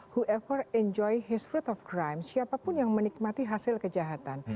whoever enjoys his fruit of crime siapapun yang menikmati hasil kejahatan